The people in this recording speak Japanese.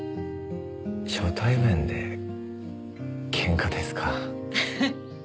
初対面でケンカですか。